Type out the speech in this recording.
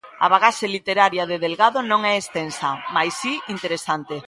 A bagaxe literaria de Delgado non é extensa, mais si interesante.